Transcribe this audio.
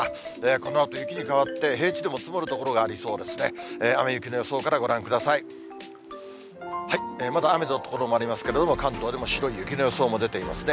このあと雪に変わって、平地でも積もる所がありそうですね。